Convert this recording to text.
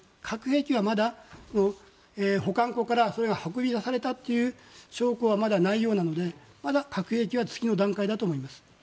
核兵器はまだ保管庫から運び出されたという証拠がまだないようなのでまだ核兵器は次の段階だと思います。